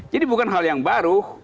jadi bukan hal yang baru